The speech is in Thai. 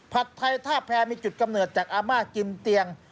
ไทยท่าแพร่มีจุดกำเนิดจากอาม่ากิมเตียง